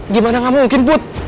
gimana tidak mungkin put